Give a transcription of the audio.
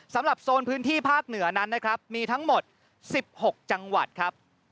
สำหรับโซนพื้นที่ภาคเหนือนั้นนะครับมีทั้งหมด๑๖จังหวัดครับ